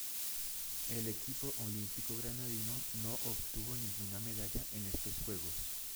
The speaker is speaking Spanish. El equipo olímpico granadino no obtuvo ninguna medalla en estos Juegos.